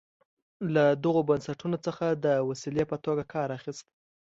له دغو بنسټونو څخه د وسیلې په توګه کار اخیست.